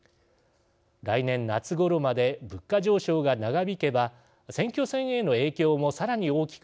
来年夏ごろまで物価上昇が長引けば選挙戦への影響もさらに大きくなるでしょう。